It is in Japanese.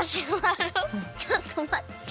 ちょっとまって。